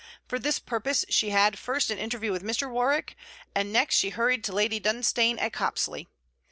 For this purpose she had first an interview with Mr. Warwick, and next she hurried to Lady Dunstane at Copsley.